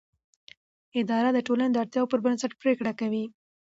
اداره د ټولنې د اړتیاوو پر بنسټ پریکړه کوي.